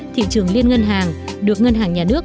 thị trường liên ngân hàng được ngân hàng nhà nước